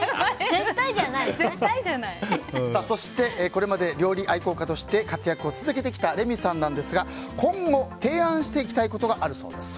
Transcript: これまで料理愛好家として活躍を続けてきたレミさんですが今後、提案していきたいことがあるそうです。